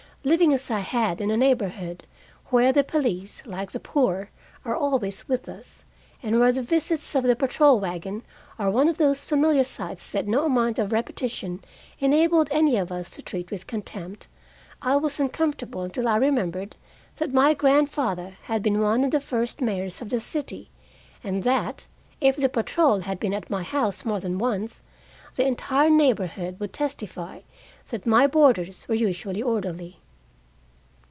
Living, as I had, in a neighborhood where the police, like the poor, are always with us, and where the visits of the patrol wagon are one of those familiar sights that no amount of repetition enabled any of us to treat with contempt, I was uncomfortable until I remembered that my grandfather had been one of the first mayors of the city, and that, if the patrol had been at my house more than once, the entire neighborhood would testify that my boarders were usually orderly.